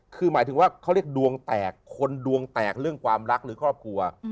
คือหมายถึงว่าเขาเรียกดวงแตกคนดวงแตกเรื่องความรักหรือครอบครัว